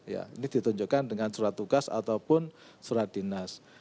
ya ini ditunjukkan dengan surat tugas ataupun surat dinas